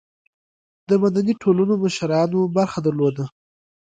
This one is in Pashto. د مدني ټولنو مشرانو برخه درلوده.